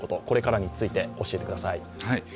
これからについて、教えてください